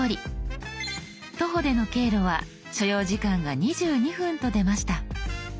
徒歩での経路は所要時間が２２分と出ました。